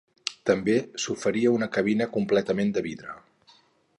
També s'oferia una cabina completament de vidre.